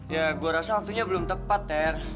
ya gua rasa waktunya belum tepat ter